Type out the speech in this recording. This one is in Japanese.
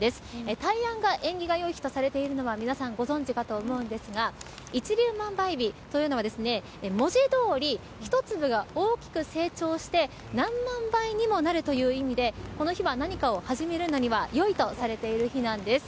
大安が縁起がよいとされているのは皆さんご存じかと思うんですが一粒万倍日というのは文字どおり１粒が大きく成長して何万倍にもなるという意味でこの日は何かを始めるのには良いとされている日なんです。